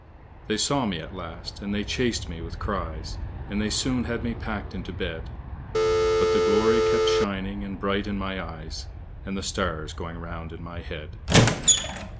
They saw me at last, and they chased me with cries, And they soon had me packed into bed; But the glory kept shining and bright in my eyes, And the stars going round in my head.